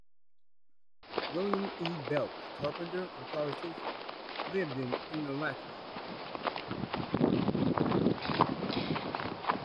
William E. Beltz, carpenter and politician, lived in Unalakleet.